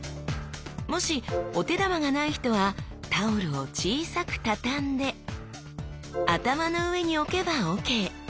もしお手玉がない人はタオルを小さく畳んで頭の上に置けばＯＫ！